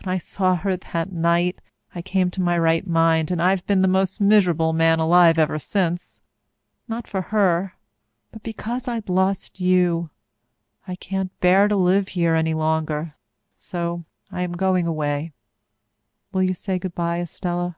When I saw her that night, I came to my right mind, and I've been the most miserable man alive ever since. Not for her but because I'd lost you. I can't bear to live here any longer, so I am going away. Will you say good bye, Estella?"